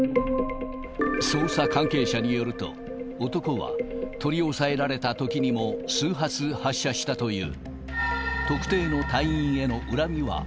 捜査関係者によると、男は、取り押さえられたときにも、数発発射したという。